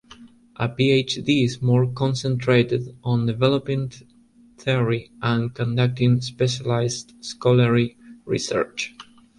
A Ph.D. is more concentrated on developing theory and conducting specialized scholarly research.